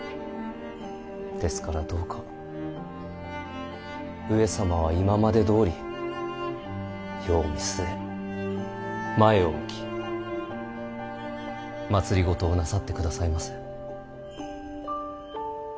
ですからどうか上様は今までどおり世を見据え前を向き政をなさって下さいませ。